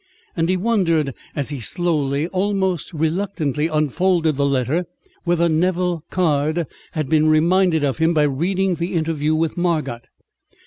And he wondered, as he slowly, almost reluctantly, unfolded the letter, whether Nevill Caird had been reminded of him by reading the interview with Margot.